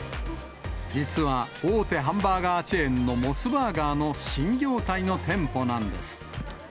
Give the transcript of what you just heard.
実は、大手ハンバーガーチェーンのモスバーガーの新業態の店舗なんです。